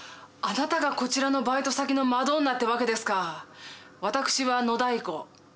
あなたがこちらのバイト先のマドンナってわけですか。